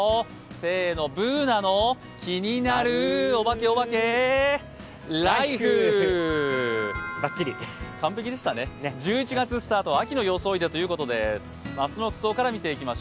せーの、「Ｂｏｏｎａのキニナルお化け、お化け、「ＬＩＦＥ」完璧でしたね、１１月スタート秋の装いでということです。